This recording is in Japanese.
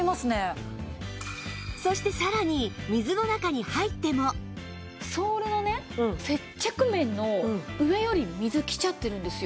そしてさらにソールの接着面の上より水きちゃってるんですよ。